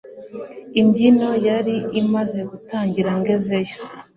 Imbyino yari imaze gutangira ngezeyo